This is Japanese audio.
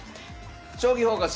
「将棋フォーカス」